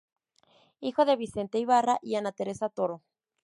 Hijo de Vicente Ibarra y Ana Teresa Toro.